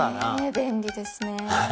便利ですね